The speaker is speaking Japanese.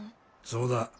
そうだ。